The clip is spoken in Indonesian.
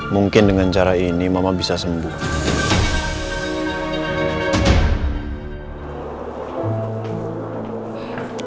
mungkin dengan cara ini mama bisa sembuh